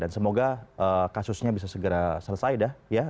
dan semoga kasusnya bisa segera selesai dah ya